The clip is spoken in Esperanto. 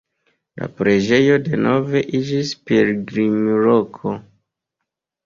La preĝejo denove iĝis pilgrimloko.